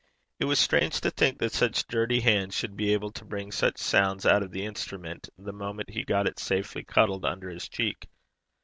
It was strange to think that such dirty hands should be able to bring such sounds out of the instrument the moment he got it safely cuddled under his cheek.